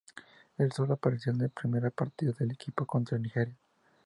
Él solo apareció en el primer partido del equipo contra Nigeria.